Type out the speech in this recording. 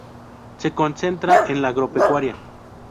Se concentra en la agropecuaria.